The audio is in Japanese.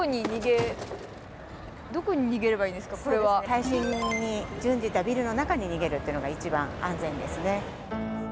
耐震に準じたビルの中に逃げるというのが一番安全ですね。